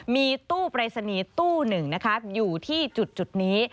มีตู้ปรายศนีย์ตู้หนึ่งนะคะอยู่ที่จุดนี้